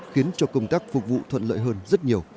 khiến cho công tác phục vụ thuận lợi hơn rất nhiều